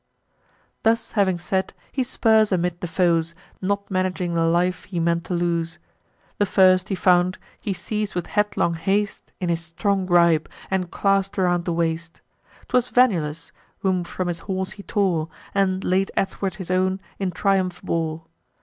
Thus having said, he spurs amid the foes, Not managing the life he meant to lose. The first he found he seiz'd with headlong haste, In his strong gripe, and clasp'd around the waist; 'Twas Venulus, whom from his horse he tore, And, laid athwart his own, in triumph bore.